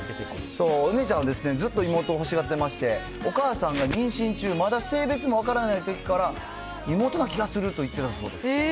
お姉ちゃんはずっと妹を欲しがってまして、お母さんが妊娠中、まだ性別も分からないときから、妹な気がすると言ってたそうです。